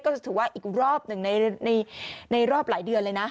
จะถือว่าอีกรอบหนึ่งในรอบหลายเดือนเลยนะ